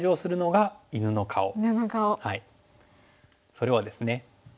それはですね